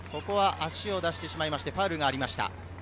足を出してしまいましてファウルがありました。